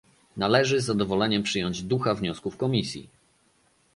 Należy z zadowoleniem przyjąć ducha wniosków Komisji